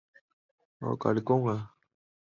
水涯狡蛛为盗蛛科狡蛛属的动物。